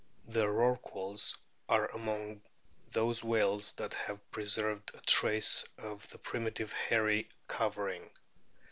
The Rorquals are among those whales that have preserved a trace of the primitive hairy covering.